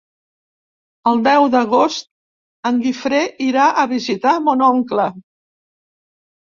El deu d'agost en Guifré irà a visitar mon oncle.